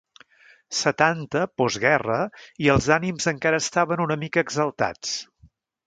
Setanta postguerra i els ànims encara estaven una mica exaltats.